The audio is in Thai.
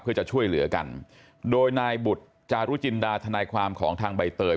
เพื่อจะช่วยเหลือกันโดยนายบุตรจารุจินดาทนายความของทางใบเตย